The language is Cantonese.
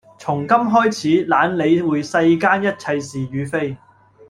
從今開始懶理會世間一切是與非